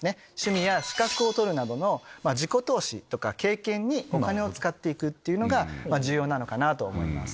趣味や資格を取るなどの自己投資とか経験にお金を使っていくっていうのが重要なのかなと思います。